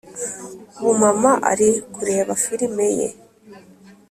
Ubu mama ari kureba firime ye